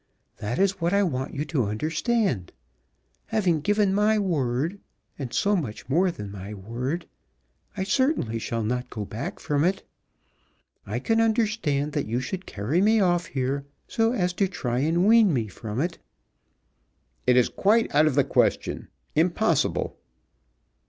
That is what I want you to understand. Having given my word, and so much more than my word, I certainly shall not go back from it. I can understand that you should carry me off here so as to try and wean me from it " "It is quite out of the question; impossible!"